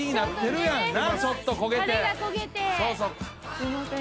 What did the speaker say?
すいません。